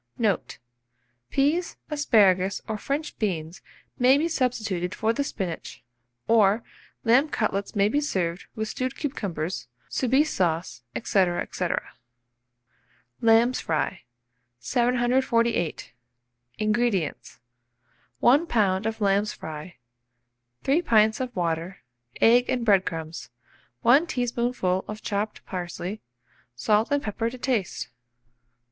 Note. Peas, asparagus, or French beans, may be substituted for the spinach; or lamb cutlets may be served with stewed cucumbers, Soubise sauce, &c. &c. LAMB'S FRY. 748. INGREDIENTS. 1 lb. of lamb's fry, 3 pints of water, egg and bread crumbs, 1 teaspoonful of chopped parsley, salt and pepper to taste.